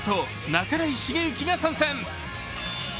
半井重幸が参戦。